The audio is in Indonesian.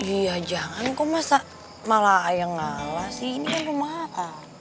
iya jangan kok masa malah yang ngalah sih ini kan rumah makan